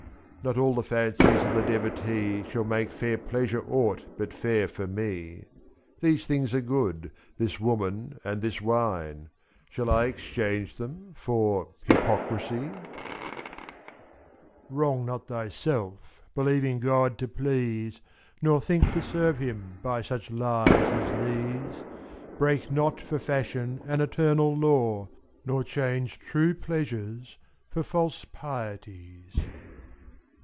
Not all the fancies of the devotee Shall make fair pleasure aught but fair for me: gi^hese things are good — this woman and this wine; Shall I exchange them for — hypocrisy? Wrong not thyself, believing God to please. Nor think to serve Him by such lies as these, t24.Break not for fashion an eternal law. Nor change true pleasures for false pieties.